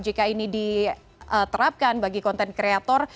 jika ini diterapkan bagi content creator